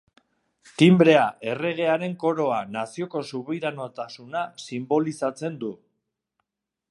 Tinbrea: Erregearen koroa, nazioko subiranotasuna sinbolizatzen du.